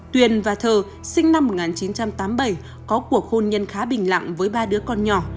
tuyền và thờ sinh năm một nghìn chín trăm tám mươi bảy có cuộc hôn nhân khá bình lặng với ba đứa con nhỏ